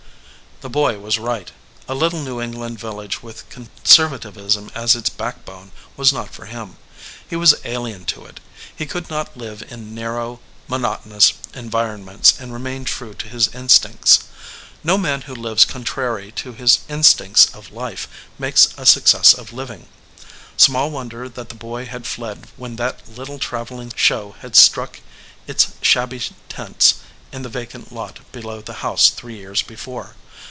The boy was right. A little New England vil lage with conservatism as its backbone was not for him. He was alien to it. He could not live in narrow, monotonous environments and remain true to his instincts. No man who lives contrary to his iSo THE LIAR instincts of life makes a success of living. Small wonder that the boy had fled when that little trav eling show had struck its shabby tents in the vacant lot below the house three years before.